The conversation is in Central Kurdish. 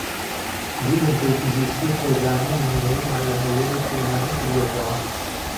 دوو بنکهی پزیشکیی خێزانیی نموونهییمان له ههولێر و سلێمانی کردۆتهوه